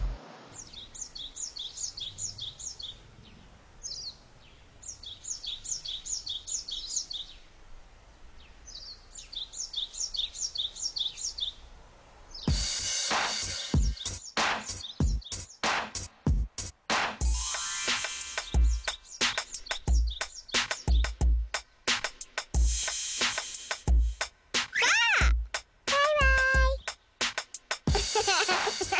バイバーイ！